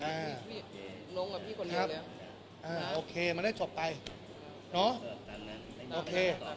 นะฮะพี่น้องกับพี่คนเดียวเลยครับฮะอ่าโอเคมันได้จบไปเนาะโอเค